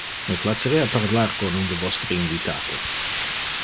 Me placerea parlar con un de vostre invitatos.